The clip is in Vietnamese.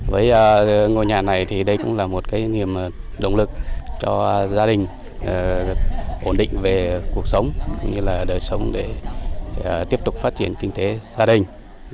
với ngôi nhà này thì đây cũng là một niềm động lực cho gia đình ổn định về cuộc sống cũng như là đời sống để tiếp tục phát triển kinh tế gia đình